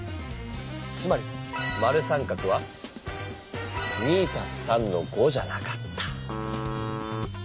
つまり○△は２＋３の５じゃなかった。